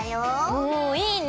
おいいね。